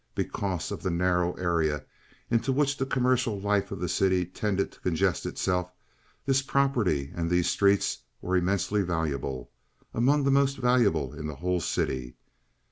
Because of the narrow area into which the commercial life of the city tended to congest itself, this property and these streets were immensely valuable—among the most valuable in the whole city.